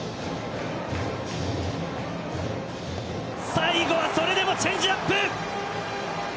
最後は、それでもチェンジアップ！